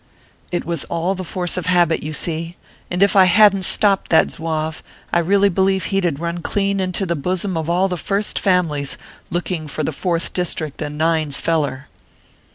It was all the force of habit, you see ; and if I hadn t stopped that Zouave, I really believe he d have run clean into the bosom of all the first families, looking for the Fourth District and Nine s feller